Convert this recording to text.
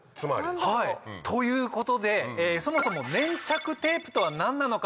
はいということでそもそも粘着テープとは何なのか？